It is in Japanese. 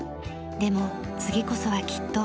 でも次こそはきっと。